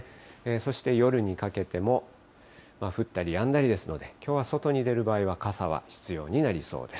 そして夜にかけても、降ったりやんだりですので、きょうは外に出る場合は傘は必要になりそうです。